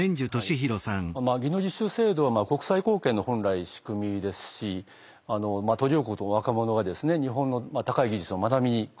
技能実習制度は国際貢献の本来仕組みですし途上国の若者が日本の高い技術を学びに来ると。